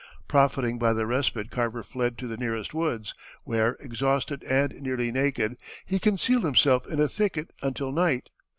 Profiting by the respite Carver fled to the nearest woods, where, exhausted and nearly naked, he concealed himself in a thicket until night.